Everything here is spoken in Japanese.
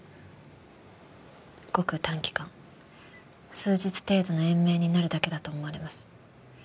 ごく短期間数日程度の延命になるだけだと思われます。